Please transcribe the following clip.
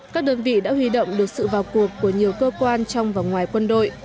các đơn vị đã huy động được sự vào cuộc của nhiều cơ quan trong và ngoài quân đội